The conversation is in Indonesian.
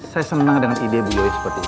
saya senang dengan ide beliau seperti ini